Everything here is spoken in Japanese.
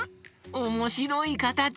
おもしろいかたち！